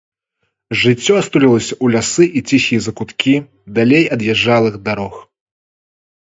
Жыццё стулілася ў лясы і ціхія закуткі, далей ад язджалых дарог.